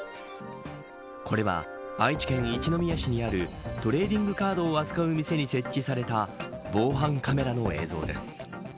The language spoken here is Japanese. これは、愛知県一宮市にあるトレーディングカードを扱う店に設置された防犯カメラの映像です。